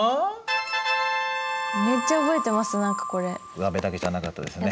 うわべだけじゃなかったですね。